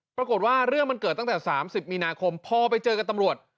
ปรากฏว่าเรื่องมันเกิดตั้งแต่๓๐มีนาคมพอไปเจอกับตำรวจ